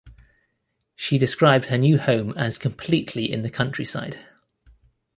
She described her new home as completely in the countryside.